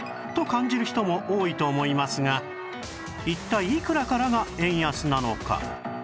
感じる人も多いと思いますが一体いくらからが円安なのか？